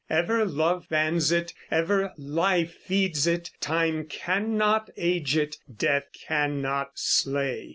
Ever Love fans it; Ever Life feeds it; Time cannot age it; Death cannot slay.